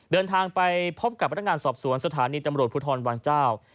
เดินทางไปพบกับพนักงานสอบสวนสถานีตำรวจภูทรวังเจ้า